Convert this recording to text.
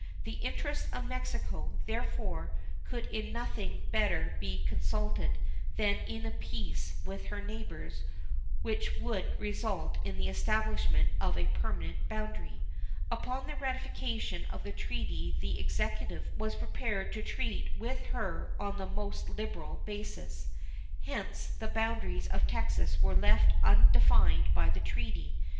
The interests of Mexico, therefore, could in nothing be better consulted than in a peace with her neighbors which would result in the establishment of a permanent boundary. Upon the ratification of the treaty the Executive was prepared to treat with her on the most liberal basis. Hence the boundaries of Texas were left undefined by the treaty.